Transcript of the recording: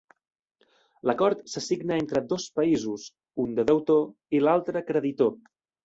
L'acord se signa entre dos països, un de deutor i l'altre creditor.